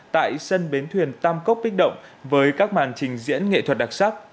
tại sân bến thuyền tam cốc bích động với các màn trình diễn nghệ thuật đặc sắc